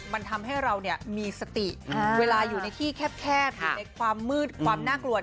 มันทำให้เรามีสติเวลาอยู่ในที่แคบอยู่ในความมืดความน่ากลัว